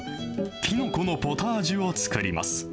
きのこのポタージュを作ります。